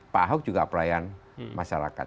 pak ahok juga pelayan masyarakat